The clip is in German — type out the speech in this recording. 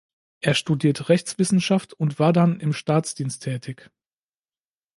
Er studiert Rechtswissenschaft und war dann im Staatsdienst tätig.